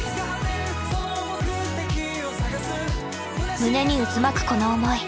胸に渦巻くこの思い。